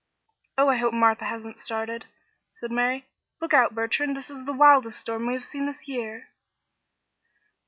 "Oh, I hope Martha hasn't started," said Mary. "Look out, Bertrand. This is the wildest storm we have had this year."